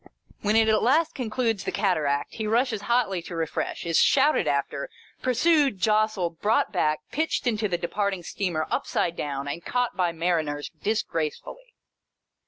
When it at last concludes the cataract, he rushes hotly to refresh — is shouted after, pvirsued, jostled, brought back, pitched into the departing steamer upside down, and caught by mariners disgracefully.